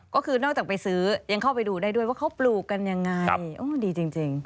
ก็คือนอกจากไปซื้อยังเข้าไปดูได้ด้วยว่าเขาปลูกกันยังไงโอ้ดีจริง